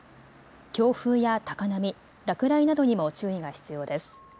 強風や高波、落雷などにも注意が必要です。